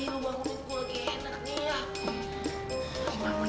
lo bangun untuk gue lagi anak anak